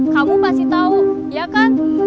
kamu pasti tau ya kan